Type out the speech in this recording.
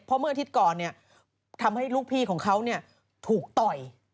เพราะเมื่ออาทิตย์ก่อนทำให้ลูกพี่ของเขาถูกต่อย